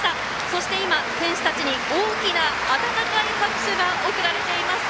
そして今、選手たちに大きな温かい拍手が送られています。